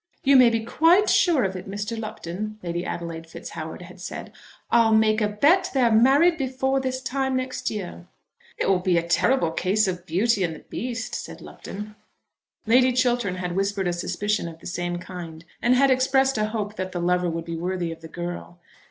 "You may be quite sure of it, Mr. Lupton," Lady Adelaide FitzHoward had said. "I'll make a bet they're married before this time next year." "It will be a terrible case of Beauty and the Beast," said Lupton. Lady Chiltern had whispered a suspicion of the same kind, and had expressed a hope that the lover would be worthy of the girl.